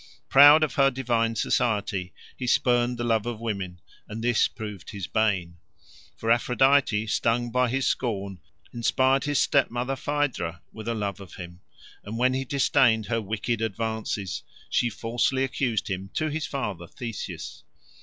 Proud of her divine society, he spurned the love of women, and this proved his bane. For Aphrodite, stung by his scorn, inspired his stepmother Phaedra with love of him; and when he disdained her wicked advances she falsely accused him to his father Theseus.